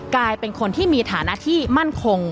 กลายเป็นคนที่มีฐานะที่มั่นคง